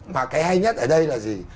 mà cái hay nhất ở đây là gì